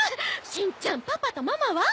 しんちゃんパパとママは？